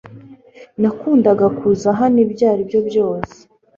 Nakundaga kuza hano ibyo ari byo byose